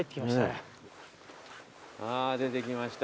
あぁ出てきました。